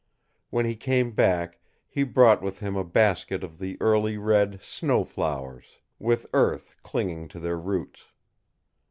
When he came back he brought with him a basket of the early red snow flowers, with earth clinging to their roots.